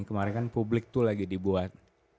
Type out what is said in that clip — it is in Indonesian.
kemarin kan publik tuh lagi dibuat